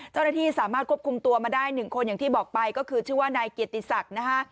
เจ้าหน้าที่สามารถควบคุมตัวมาได้๑คนอย่างที่บอกไปก็คือชื่อว่านายเกียรติศักดิ์นะฮะ